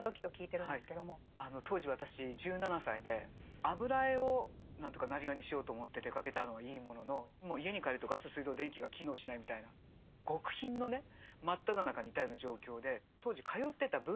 当時私１７歳で油絵を生業にしようと思って出かけたのはいいもののもう家に帰るとガス水道電気が機能しないみたいな極貧のね真っただ中にいたような状況で。